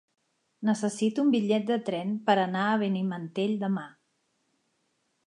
Necessito un bitllet de tren per anar a Benimantell demà.